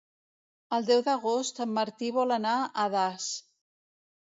El deu d'agost en Martí vol anar a Das.